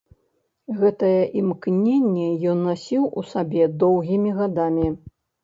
Гэтае імкненне ён насіў у сабе доўгімі гадамі.